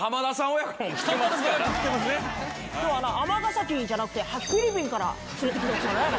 今日は尼崎じゃなくてフィリピンから連れてきたんですよね。